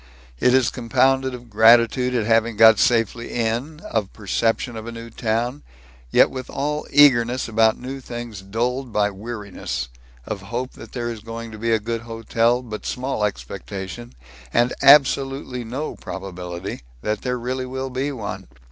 It is compounded of gratitude at having got safely in; of perception of a new town, yet with all eagerness about new things dulled by weariness; of hope that there is going to be a good hotel, but small expectation and absolutely no probability that there really will be one.